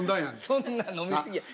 そんな飲み過ぎや。